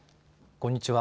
こんにちは。